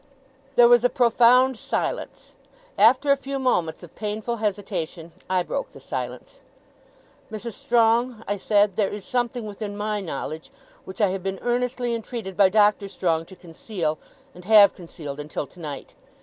There was a profound silence. After a few moments of painful hesitation, I broke the silence. 'Mrs. Strong,' I said, 'there is something within my knowledge, which I have been earnestly entreated by Doctor Strong to conceal, and have concealed until tonight.